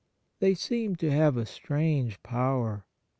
They seem to have a strange power.